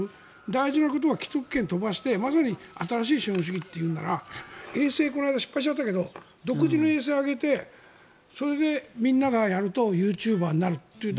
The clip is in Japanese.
大事なことは既得権を飛ばしてまさに新しい資本主義というなら衛星をこの間失敗しちゃったけど独自の衛星を上げてそれでみんながやるとユーチューバーになるという。